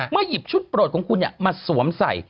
หยิบชุดโปรดของคุณมาสวมใส่